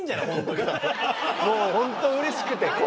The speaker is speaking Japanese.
もう本当うれしくて。